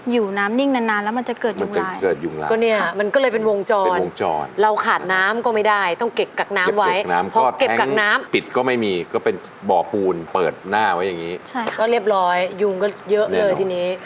ยุงก็เยอะเลยทีนี้